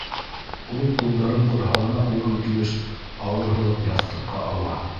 Ул ҡулдарын ҡорһағына ҡуйған килеш, ауыр һулап, яҫтыҡҡа ауа.